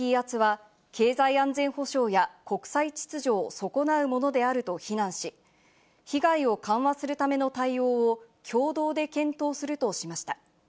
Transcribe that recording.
その上で経済的威圧は経済安全保障や国際秩序を損なうものであると非難し、被害を緩和するための対応を共同で検討するとしました。